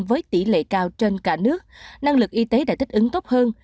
với tỷ lệ cao trên cả nước năng lực y tế đã thích ứng tốt hơn